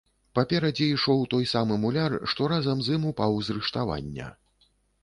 Паперадзе ішоў той самы муляр, што разам з ім упаў з рыштавання.